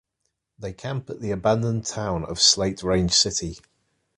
They camp at the abandoned town of Slate Range City.